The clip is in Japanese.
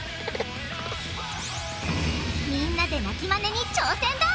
みんなで鳴きマネに挑戦だ！